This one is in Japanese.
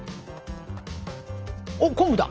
おっ昆布だ！